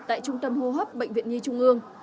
tại trung tâm hô hấp bệnh viện nhi trung ương